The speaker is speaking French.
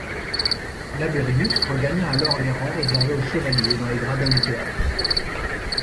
Laberius regagna alors les rangs réservés aux chevaliers dans les gradins du théâtre.